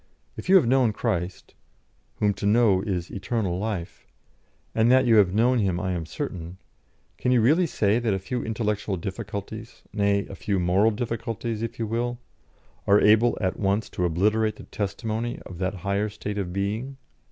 If you have known Christ (whom to know is eternal life) and that you have known Him I am certain can you really say that a few intellectual difficulties, nay, a few moral difficulties if you will, are able at once to obliterate the testimony of that higher state of being?